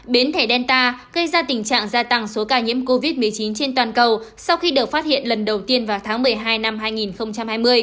biến thể delta gây ra tình trạng gia tăng số ca nhiễm covid một mươi chín trên toàn cầu sau khi được phát hiện lần đầu tiên vào tháng một mươi hai năm hai nghìn hai mươi